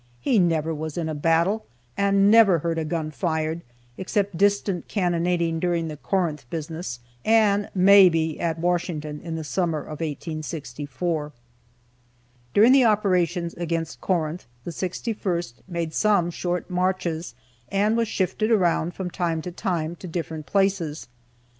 He never was in a battle, and never heard a gun fired, except distant cannonading during the Corinth business, and (maybe) at Washington in the summer of 1864. During the operations against Corinth, the 61st made some short marches, and was shifted around, from time to time, to different places.